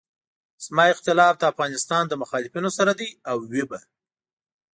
زما اختلاف د افغانستان له مخالفینو سره دی او وي به.